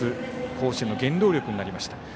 甲子園の原動力になりました。